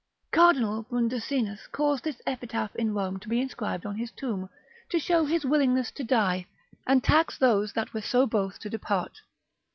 Cardinal Brundusinus caused this epitaph in Rome to be inscribed on his tomb, to show his willingness to die, and tax those that were so both to depart.